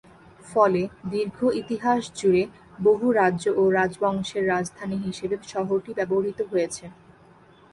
ফলে দীর্ঘ ইতিহাস জুড়ে বহু রাজ্য ও রাজবংশের রাজধানী হিসেবে শহরটি ব্যবহৃত হয়েছে।